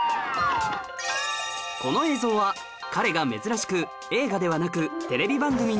この映像は彼が珍しく映画ではなくテレビ番組に出演